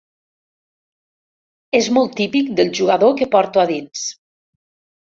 És molt típic del jugador que porto a dins.